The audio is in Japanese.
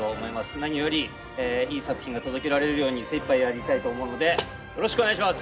何よりいい作品が届けられるように精いっぱいやりたいと思うのでよろしくお願いします。